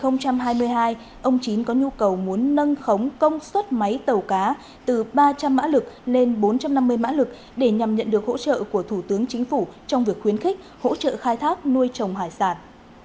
năm hai nghìn hai mươi hai ông chín có nhu cầu muốn nâng khống công suất máy tàu cá từ ba trăm linh mã lực lên bốn trăm năm mươi mã lực để nhằm nhận được hỗ trợ của thủ tướng chính phủ trong việc khuyến khích hỗ trợ khai thác nuôi trồng hải sản